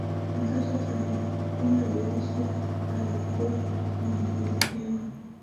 Mtoto atalifunga dirisha litakalokuwa likiingiza hewa.